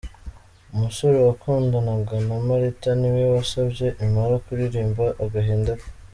Umusore wakundanaga na Marita ni we wasabye Impala kuririmba agahinda ke.